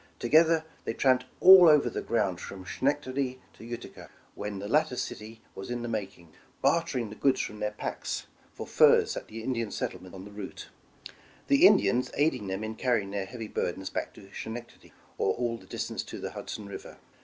Together they tramped all over the ground from Schenectady to Utica, when the latter city was in the making, bartering the goods from their packs for furs at the Indian settlements on the route ; the In dians aiding them in carrying their heavy burdens back to Schenectady, or all the distance to the Hudson River.